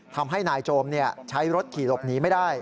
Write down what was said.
ทำให้นายโจมใช้รถขี่หลบหนีไม่ได้